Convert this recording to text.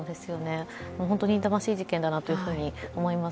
本当に痛ましい事件だなと思います。